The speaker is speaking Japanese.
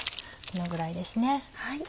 このぐらいですね。